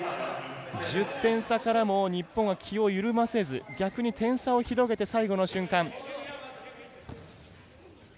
１０点差からも日本は気を緩めず逆に点差を開いて最後の瞬間。